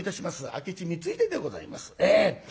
明智光秀でございます。